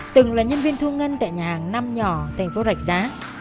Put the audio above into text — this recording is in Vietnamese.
từng là nhân viên thu ngân tại nhà hàng năm nhỏ tp rạch giá